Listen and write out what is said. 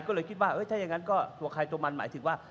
ก็เลยคิดว่าถ้าอย่างนั้นก็ตัวใครตัวมันหมายถึงว่า